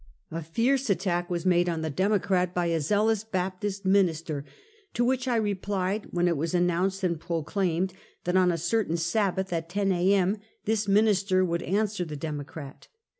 A fierce attack was made on The Deinoerat by a zealous Baptist minister; to which I replied, when it was announced and proclaimed that on a certain Sabbath, at 10 a. m., this minister would answer The Democrat.